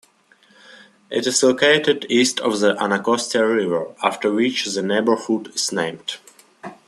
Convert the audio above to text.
It is located east of the Anacostia River, after which the neighborhood is named.